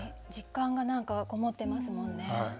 実感が何かこもってますもんね。